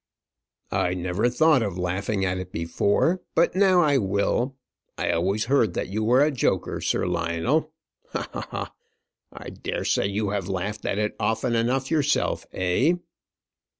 I never thought of laughing at it before, but now I will. I always heard that you were a joker, Sir Lionel. Ha! ha! ha! I dare say you have laughed at it often enough yourself, eh?"